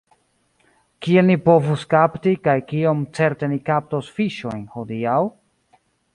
Kiel ni povus kapti, kaj kiom certe ni kaptos fiŝojn hodiaŭ?